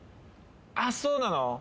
あっそうなの？